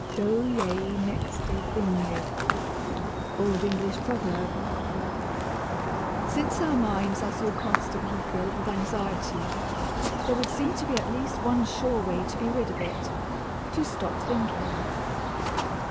"Doe ye nexte thynge." Old English Proverb. Since our minds are so constantly filled with anxiety, there would seem to be at least one sure way to be rid of it to stop thinking.